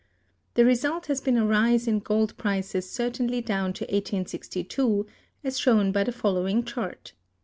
The result has been a rise in gold prices certainly down to 1862,(231) as shown by the following chart.